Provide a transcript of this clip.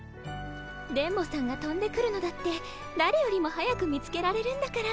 電ボさんがとんでくるのだってだれよりも早く見つけられるんだから。